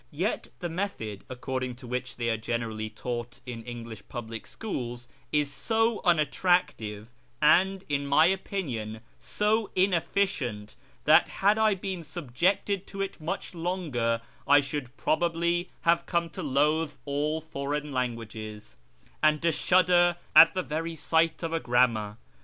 Yet the method according to which they are generally taught in English public schools is so unattractive, and, in my opinion, so inefficient, that had I been subjected to it much longer I should probably have come to loathe all foreign languages, and to shudder at the very sight of a grammar.